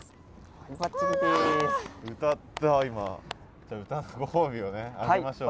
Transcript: じゃあ歌のご褒美をあげましょう。